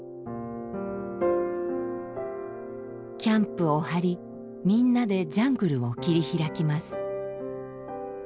キャンプを張りみんなでジャングルを切り開きます。